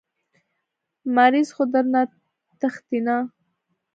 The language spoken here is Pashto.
مريض خو درنه تښتي نه.